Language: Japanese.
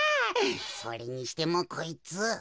それにしてもこいつ。